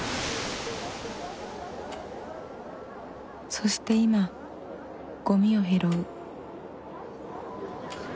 そして今ゴミを拾う。